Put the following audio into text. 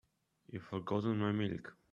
You've forgotten my milk.